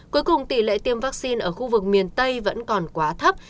cuối cùng tỷ lệ tiêm vaccine ở khu vực miền tây vẫn còn quá thấp